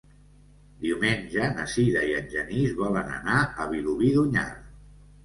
Diumenge na Sira i en Genís volen anar a Vilobí d'Onyar.